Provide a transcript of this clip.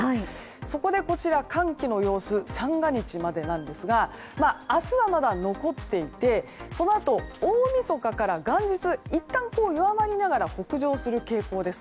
そこで、寒気の様子三が日までなんですが明日はまだ残っていてそのあと大みそかから元日いったん弱まりながら北上する傾向です。